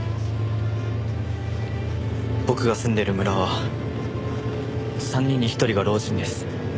僕が住んでる村は３人に１人が老人です。